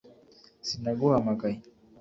sinaguhamagaye